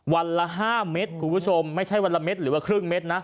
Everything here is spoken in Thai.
วันละ๕เม็ดคุณผู้ชมไม่ใช่วันละเม็ดหรือว่าครึ่งเม็ดนะ